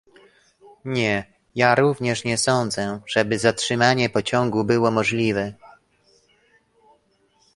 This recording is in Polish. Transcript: Nie, ja również nie sądzę, żeby zatrzymanie pociągu było możliwe